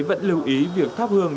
vẫn lưu ý việc thắp hương